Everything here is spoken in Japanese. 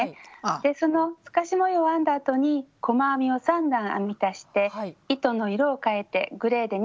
でその透かし模様を編んだあとに細編みを３段編み足して糸の色を変えてグレーで２段編んでいます。